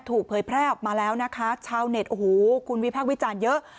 เผยแพร่ออกมาแล้วนะคะชาวเน็ตโอ้โหคุณวิพากษ์วิจารณ์เยอะ